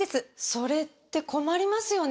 それって困りますよね？